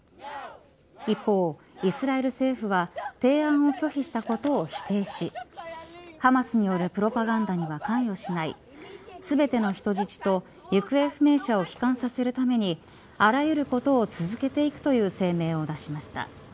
一方、イスラエル政府は提案を拒否したことを否定しハマスによるプロパガンダには関与しない全ての人質と行方不明者を帰還させるためにあらゆることを続けていくという声明を出しました。